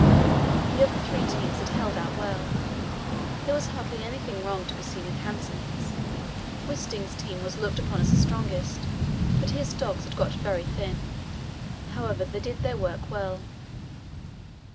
The other three teams had held out well. There was hardly anything wrong to be seen with Hanssen's. Wisting's team was looked upon as the strongest, but his dogs had got very thin; however, they did their work well.